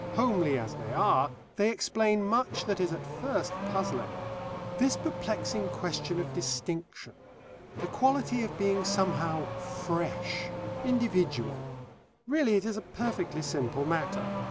Homely as they are, they explain much that is at first puzzling. This perplexing question of distinction; the quality of being somehow fresh individual. Really it is a perfectly simple matter.